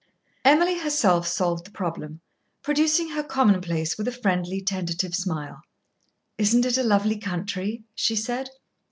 Emily herself solved the problem, producing her commonplace with a friendly tentative smile. "Isn't it a lovely country?" she said.